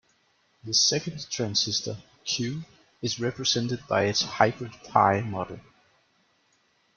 The second transistor "Q" is represented by its hybrid-pi model.